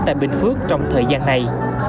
tại bình phước trong thời gian này